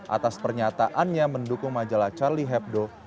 atas pernyataannya mendukung majalah charlie hepdo